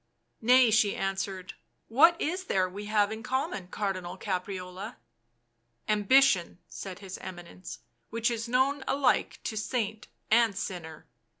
" Nay," she answered. "What is there we have in common, Cardinal Caprarola?" " Ambition," said his Eminence, " which is known alike to saint and sinner."